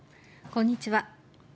こんにちは。